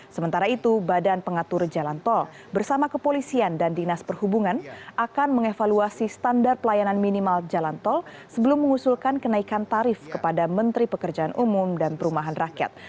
sementara itu badan pengatur jalan tol bersama kepolisian dan dinas perhubungan akan mengevaluasi standar pelayanan minimal jalan tol sebelum mengusulkan kenaikan tarif kepada menteri pekerjaan umum dan perumahan rakyat